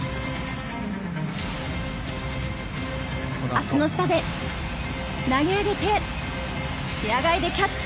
足の下で投げ上げて視野外でキャッチ。